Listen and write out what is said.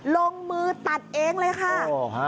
ลงมือตัดเองเลยค่ะ